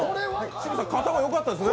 清水さん、型もよかったですね？